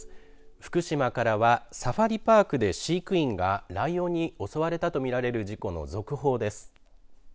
福島からはサファリパークで飼育員がライオンに襲われたと見られる事故の続報です。